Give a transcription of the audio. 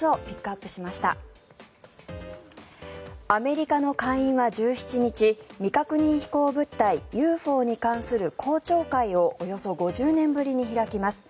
アメリカの下院は１７日未確認飛行物体・ＵＦＯに関する公聴会をおよそ５０年ぶりに開きます。